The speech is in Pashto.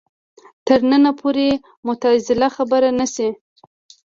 تر ننه پورې معتزله خبره نه شي